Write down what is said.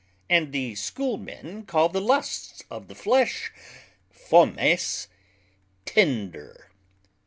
And the School men call the Lusts of the Flesh (Fomes) Tinder.